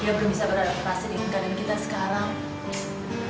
dia belum bisa beradaptasi di kegiatan kita sekarang